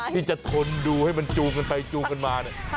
ที่จะทนดูให้มันจูงไปมา